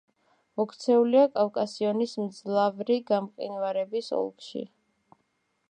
მოქცეულია კავკასიონის მძლავრი გამყინვარების ოლქში.